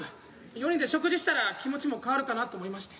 ４人で食事したら気持ちも変わるかなと思いまして。